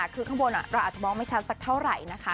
คือข้างบนเราอาจจะมองไม่ชัดสักเท่าไหร่นะคะ